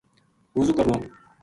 وضو کرنو